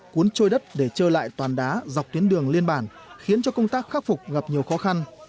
cuốn trôi đất để trơ lại toàn đá dọc tuyến đường liên bản khiến cho công tác khắc phục gặp nhiều khó khăn